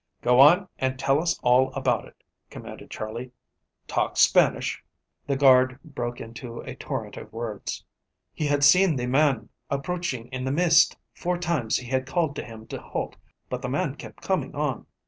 "Go on, and tell us all about it," commanded Charley. "Talk Spanish." The guard broke into a torrent of words. "He had seen the man approaching in the mist. Four times he had called to him to halt but the man kept coming on.